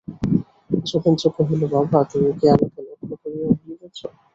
যোগেন্দ্র কহিল, বাবা, তুমি কি আমাকে লক্ষ্য করিয়া বলিতেছ?